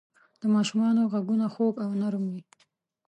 د ماشومانو ږغونه خوږ او نرم وي.